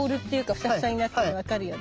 フサフサになってるの分かるよね。